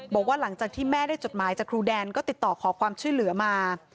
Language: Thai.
บอกว่าหลังจากที่แม่ได้จดหมายจากครูแดนก็ติดต่อขอความช่วยเหลือมา